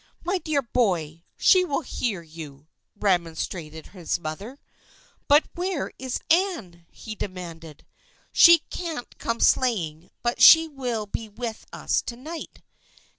" My dear boy ! She will hear you," remon strated his mother. " But where is Anne? " he demanded. " She can't come sleighing, but she will be with us to night."